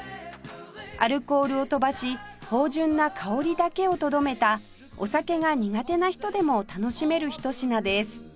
アルコールを飛ばし芳醇な香りだけをとどめたお酒が苦手な人でも楽しめるひと品です